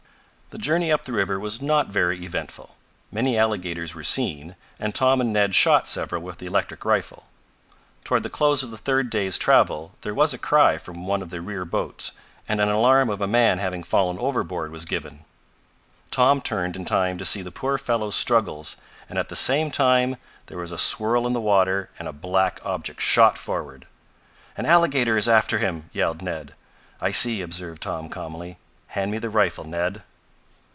The journey up the river was not very eventful. Many alligators were seen, and Tom and Ned shot several with the electric rifle. Toward the close of the third day's travel there was a cry from one of the rear boats, and an alarm of a man having fallen overboard was given. Tom turned in time to see the poor fellow's struggles, and at the same time there was a swirl in the water and a black object shot forward. "An alligator is after him!" yelled Ned. "I see," observed Tom calmly. "Hand me the rifle, Ned."